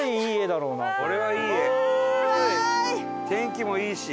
天気もいいし。